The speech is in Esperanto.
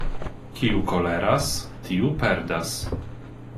Kiu koleras, tiu perdas.